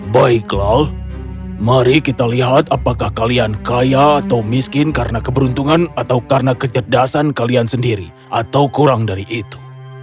baiklah mari kita lihat apakah kalian kaya atau miskin karena keberuntungan atau karena kecerdasan kalian sendiri atau kurang dari itu